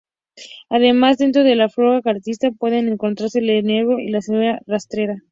Además, dentro de la flora característica pueden encontrarse el enebro y la sabina rastrera.